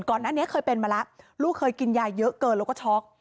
ก่อนหน้านี้เคยเป็นมาแล้วลูกเคยกินยาเยอะเกินแล้วก็ช็อก